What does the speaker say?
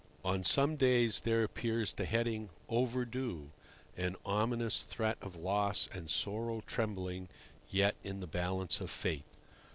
On some days there appears the heading "Overdue"—an ominous threat of loss and sorrow trembling yet in the balance of fate.